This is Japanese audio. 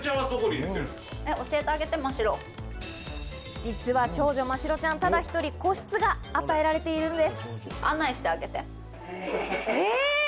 実は長女・真白ちゃん、ただ一人、個室が与えられているんです。